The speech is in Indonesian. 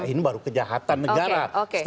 ini baru kejahatan negara